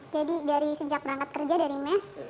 jadi dari sejak berangkat kerja dari mes